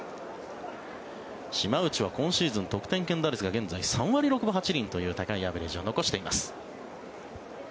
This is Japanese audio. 島内は今シーズン得点圏打率が現在、３割６分８厘という高いアベレージを残しています。